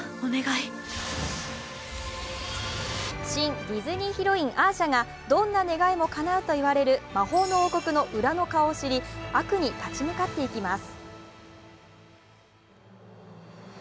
新ディズニーヒロインアーシャがどんな願いもかなうといわれる魔法の王国の裏の顔を知り、悪に立ち向かっていきます。